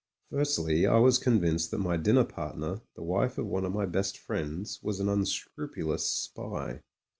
Firstly, I was convinced that my dinner partner — ^the wife of one of my best friends — was an unscrupulous spy.